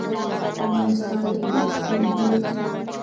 افغانستان د اوښ کوربه دی.